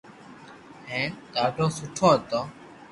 ھين ڌاڌو سٺو ھتو